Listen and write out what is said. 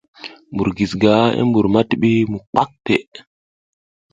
Mbur giziga i mbur ma tiɓi mukak te.